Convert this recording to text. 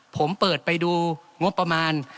ผมเปิดไปดูงบประมาณ